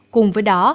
cùng với đó